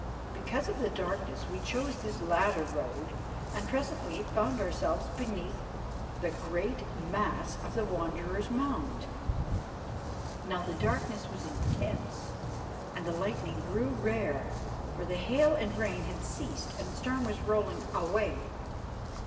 Because of the darkness we chose this latter road, and presently found ourselves beneath the great mass of the Wanderer's Mount. Now the darkness was intense, and the lightning grew rare, for the hail and rain had ceased and the storm was rolling away.